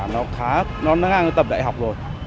nó khá nó ngang tầm đại học rồi